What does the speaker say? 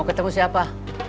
mau ketemu siapa